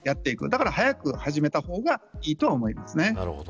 だから早く始めた方がいいと思います。